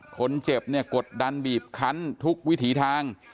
คนเจ็บเนี่ยกดดันบีบคันทุกวิถีทาง